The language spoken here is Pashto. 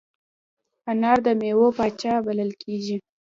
انار د میوو پاچا بلل کېږي.